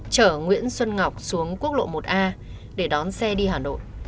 chở nguyễn xuân ngọc xuống quốc lộ một a để đón xe đi hà nội